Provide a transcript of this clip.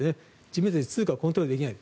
自分たちで通貨をコントロールできない。